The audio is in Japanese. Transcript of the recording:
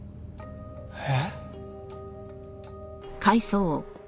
えっ？